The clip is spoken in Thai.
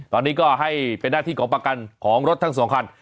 ตอนนี้ก็ให้เป็นหน้าที่ของประกันของรถทั้งสองคัน